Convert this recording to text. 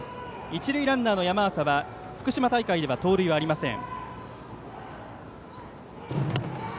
一塁ランナーの山浅は福島大会では盗塁はありません。